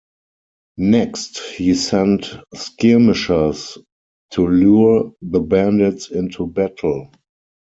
Next, he sent skirmishers to lure the bandits into battle.